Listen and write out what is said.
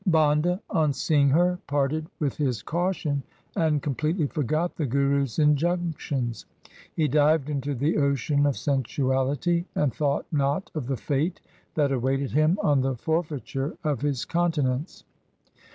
Banda on seeing her, parted with his caution, and completely forgot the Guru's injunctions. He dived into the ocean of sensuality, and thought not of the fate that awaited him on the forfeiture of his continence.